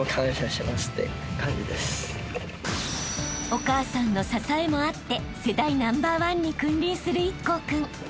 ［お母さんの支えもあって世代ナンバーワンに君臨する壱孔君］